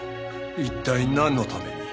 一体なんのために？